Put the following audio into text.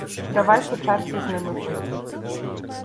Давай по чарці з ними пить.